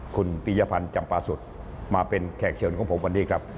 คุณปียพันธ์จำปาสุทธิ์มาเป็นแขกเชิญของผมวันนี้ครับ